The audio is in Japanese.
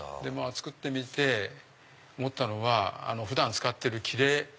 作ってみて思ったのは普段使ってるきれ。